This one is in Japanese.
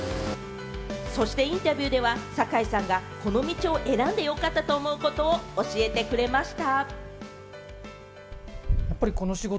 そしてインタビューでは、堺さんがこの道を選んでよかったと思うことを教えてくれました。